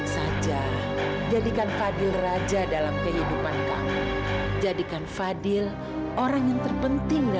sampai jumpa di video selanjutnya